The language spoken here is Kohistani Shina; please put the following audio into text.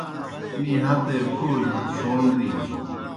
می ہتے پھو جیْ اُشوݨ دِینیْ۔